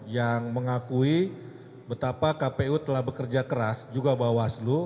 yang mengakui betapa kpu telah bekerja keras juga bawaslu